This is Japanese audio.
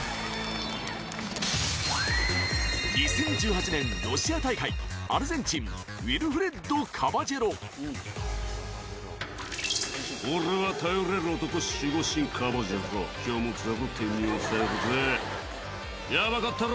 ２０１８年、ロシア大会アルゼンチンウィルフレッド・カバジェロ。